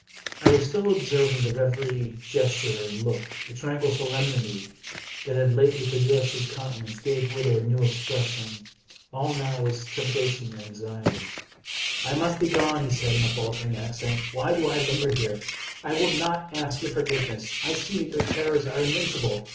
I was still observant of every gesture and look. The tranquil solemnity that had lately possessed his countenance gave way to a new expres sion. All now was trepidation and anxiety. " I must be gone," said he, in a faltering accent. " Why do I linger here? I will not ask your forgiveness. I see that your terrors are invincible.